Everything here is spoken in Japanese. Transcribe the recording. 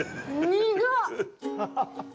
苦っ！